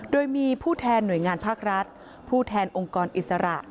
โดยมีผู้แทนหน่วยงานภาครัฐผู้แทนองค์กรอิสระ